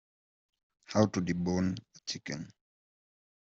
How to debone a chicken.